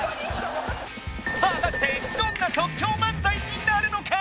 果たしてどんな即興漫才になるのか？